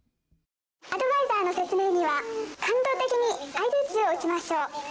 アドバイザーの説明には、感動的に相づちを打ちましょう。